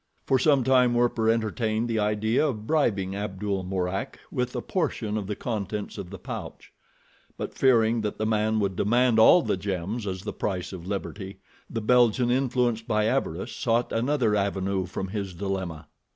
For some time Werper entertained the idea of bribing Abdul Mourak with a portion of the contents of the pouch; but fearing that the man would demand all the gems as the price of liberty, the Belgian, influenced by avarice, sought another avenue from his dilemma.